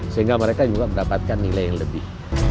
sehingga mereka juga mendapatkan nilai yang lebih